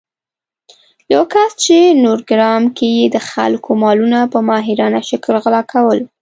یو کس چې نورګرام کې يې د خلکو مالونه په ماهرانه شکل غلا کول